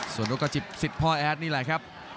ส่วนนกกระจิบสิทธิ์พ่อแอดนี่แหละครับ